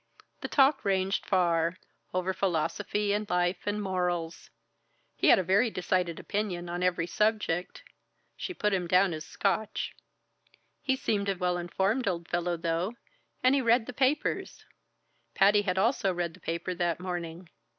The talk ranged far over philosophy and life and morals. He had a very decided opinion on every subject she put him down as Scotch he seemed a well informed old fellow though, and he read the papers. Patty had also read the paper that morning.